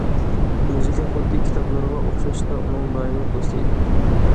مۇزىكا خۇددى كىتابلىرىغا ئوخشاشلا ئۇنىڭ دائىملىق دوستى ئىدى.